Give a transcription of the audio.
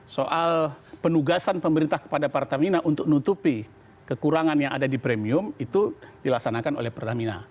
soal penugasan pemerintah kepada pertamina untuk nutupi kekurangan yang ada di premium itu dilaksanakan oleh pertamina